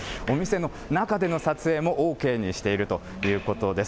お店の中での撮影もＯＫにしているということです。